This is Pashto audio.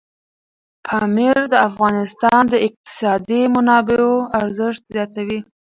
پامیر د افغانستان د اقتصادي منابعو ارزښت زیاتوي.